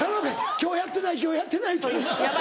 今日やってない今日やってないと思った。